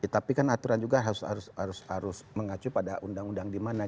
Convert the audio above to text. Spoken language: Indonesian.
tapi kan aturan juga harus mengacu pada undang undang di mana